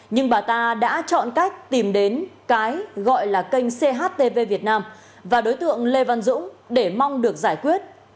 nhưng bà ta đã chọn cách tìm đến cái gọi là kênh chtv việt nam và đối tượng lê văn dũng để mong được giải quyết